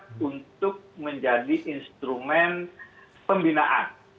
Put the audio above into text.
untuk menjadi instrumen pembinaan